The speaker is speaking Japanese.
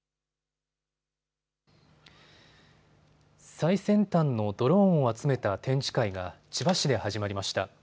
最先端のドローンを集めた展示会が千葉市で始まりました。